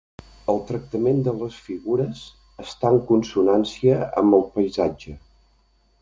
El tractament de les figures està en consonància amb el paisatge.